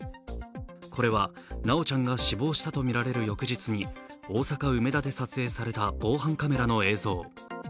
これは修ちゃんが死亡したとみられる翌日に、大阪・梅田で撮影された防犯カメラの映像。